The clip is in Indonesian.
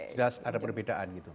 sudah ada perbedaan gitu